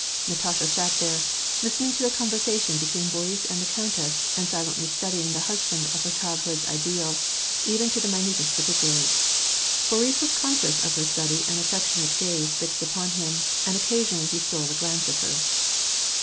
Natasha sat there, listening to the conversation between Boris and the countess, and silently studying the husband of her childhood's ideal, even to the minutest particulars. Boris was conscious of her steady and affectionate gaze fixed upon him, and occasionally he stole a glance at her.